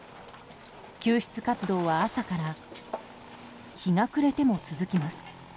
救出活動は朝から日が暮れても続きます。